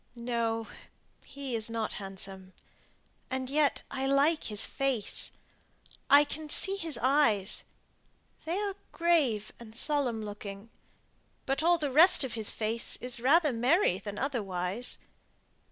"No; he is not handsome. And yet I like his face. I can see his eyes. They are grave and solemn looking; but all the rest of his face is rather merry than otherwise.